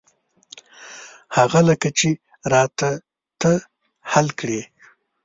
هغه لکه چې را ته ته حل کړې.